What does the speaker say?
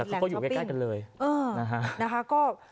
แล้วเขาก็อยู่ใกล้กันเลย